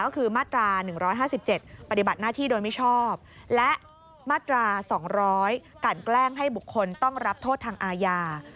ก็คือมาตรา๑๕๗ปฏิบัติหน้าที่โดยมิชอบและมาตรา๒๐๐กันแกล้งให้บุคคลต้องรับโทษทางอาญา